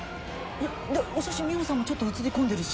お写真美穂さんもちょっと写り込んでるし。